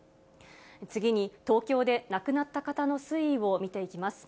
次に東京で亡くなった方の推移を見ていきます。